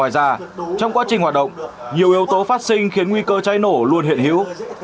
và trong quá trình hoạt động nhiều yếu tố phát sinh khiến nguy cơ cháy nổ luôn hiện hữu